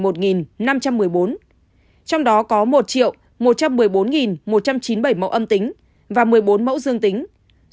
trong đó có một một trăm một mươi bốn một trăm chín mươi bảy mẫu âm tính và một mươi bốn mẫu dương tính